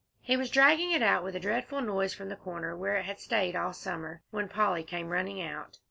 He was dragging it out with a dreadful noise from the corner where it had stayed all summer, when Polly came running out.